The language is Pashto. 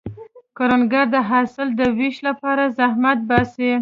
کروندګر د حاصل د ویش لپاره زحمت باسي